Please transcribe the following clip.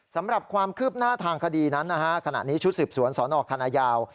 สำหรับความคืบหน้าทางคดีนั้นนะฮะขณะนี้ชุดสืบสวนสนคณะยาว